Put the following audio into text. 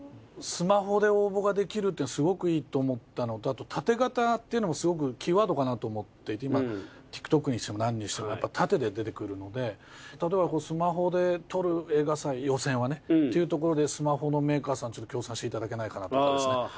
スマホで応募ができるっていうのはすごくいいと思ったのとあと縦型っていうのもすごくキーワードかなと思っていて今ＴｉｋＴｏｋにしても何にしても縦で出てくるので例えばスマホで撮る映画祭予選はねっていうところでスマホのメーカーさんちょっと協賛していただけないかなと。